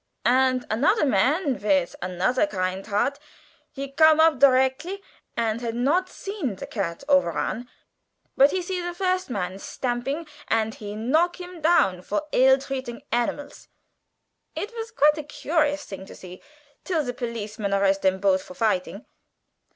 And anozer man vith anozer kind heart, he gom up directly and had not seen de cat overrun, but he see de first man stamping and he knock him down for ill treating animals; it was quite gurious to see; till de policeman arrest dem both for fighting.